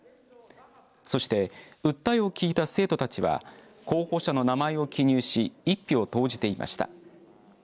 そして訴えを聞いた生徒たちは候補者の名前を記入し１票を投じていました。